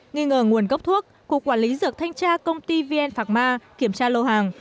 nghi ngờ nguồn gốc thuốc cục quản lý dược thanh tra công ty vn pharma kiểm tra lô hàng